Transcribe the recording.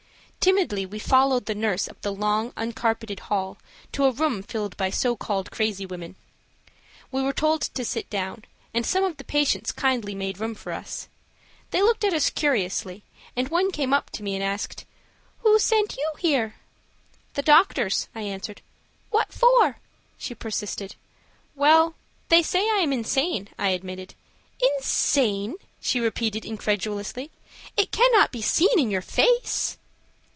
Timidly we followed the nurse up the long uncarpeted hall to a room filled by so called crazy women. We were told to sit down, and some of the patients kindly made room for us. They looked at us curiously, and one came up to me and asked: "Who sent you here?" "The doctors," I answered. "What for?" she persisted. "Well, they say I am insane," I admitted. "Insane!" she repeated, incredulously. "It cannot be seen in your face."